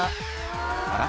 あら？